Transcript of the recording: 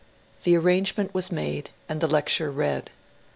The arrangement was made and the lecture read.